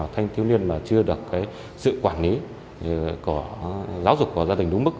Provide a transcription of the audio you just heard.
thanh thiếu niên mà chưa được sự quản lý của giáo dục của gia đình đúng mức